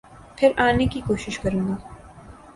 پھر آنے کی کوشش کروں گا۔